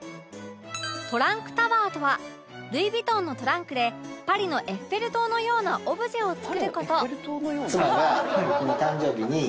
トランクタワーとはルイ・ヴィトンのトランクでパリのエッフェル塔のようなオブジェを作る事